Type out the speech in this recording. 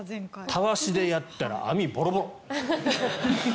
たわしでやったら網ボロボロ。